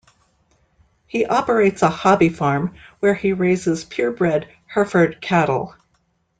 He operates a hobby farm where he raises purebred Hereford cattle.